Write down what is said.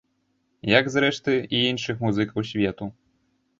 Як зрэшты і іншых музыкаў свету.